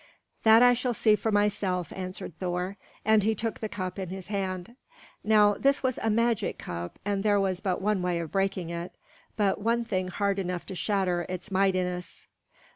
"That I shall see for myself," answered Thor; and he took the cup in his hand. Now this was a magic cup, and there was but one way of breaking it, but one thing hard enough to shatter its mightiness.